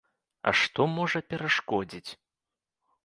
А што можа перашкодзіць?